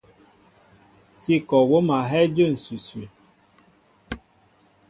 Sí kɔ wóm a hɛ́ɛ́ jə̂ ǹsʉsʉ.